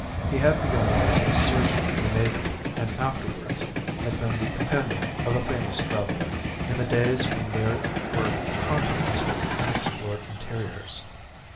He had begun life as surgeon in the Navy, and afterwards had been the companion of a famous traveller, in the days when there were continents with unexplored interiors.